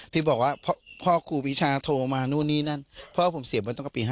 ที่บอกว่าพ่อครูปิชาโทรมาท